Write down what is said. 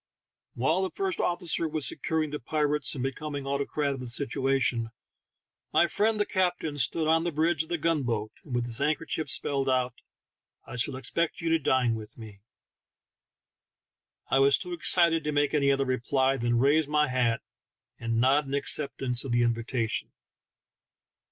" While the first officer was securing the pirates and becoming autocrat of the situation, my friend the captain stood on the bridge of the gun boat, 36 THE TALKING HANDKERCHIEF. and with his handkerchief spelled out, "I shall expect you to dine with me." I was too excited to make any other replj^ than raise my hat and nod an acceptance of the invita tion.